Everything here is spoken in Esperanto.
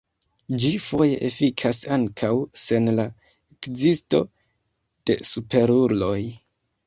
Ĝi foje efikas ankaŭ sen la ekzisto de superuloj.